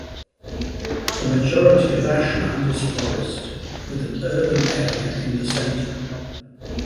The majority of Ashland is forest, with an urban area in the center.